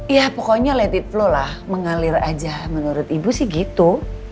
ya pokoknya late id flow lah mengalir aja menurut ibu sih gitu